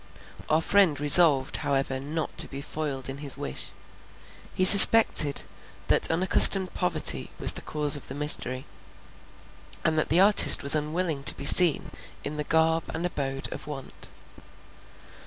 Our friend resolved however not to be foiled in his wish. He suspected, that unaccustomed poverty was the cause of the mystery, and that the artist was unwilling to be seen in the garb and abode of want.